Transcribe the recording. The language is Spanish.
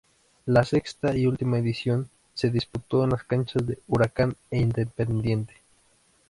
La sexta y última edición se disputó en las canchas de Huracán e Independiente.